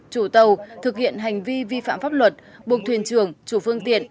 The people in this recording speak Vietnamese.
chủ tàu thực hiện hành vi vi phạm pháp luật buộc thuyền trưởng chủ phương tiện